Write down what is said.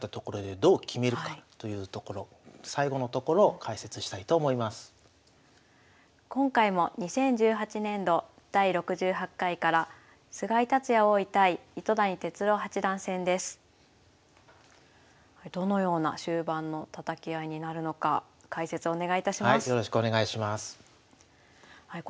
どのような終盤のたたき合いになるのか解説お願いいたします。